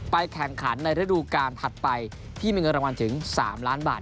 แข่งขันในฤดูการถัดไปที่มีเงินรางวัลถึง๓ล้านบาท